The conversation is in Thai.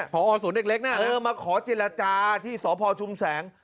ผอศูนย์เล็กน่ะเออมาขอเจรจาที่สพชุมแสง